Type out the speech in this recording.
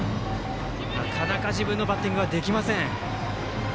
なかなか自分のバッティングができません。